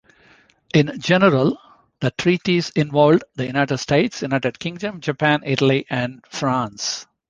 In general, the treaties involved the United States, United Kingdom, Japan, Italy and France.